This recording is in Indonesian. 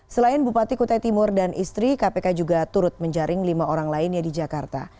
selain bupati kutai timur dan istri kpk juga turut menjaring lima orang lainnya di jakarta